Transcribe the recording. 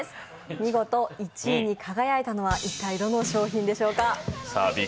見事１位に輝いたのは一体どの商品でしょうか。